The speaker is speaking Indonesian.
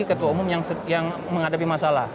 ketua umum yang menghadapi masalah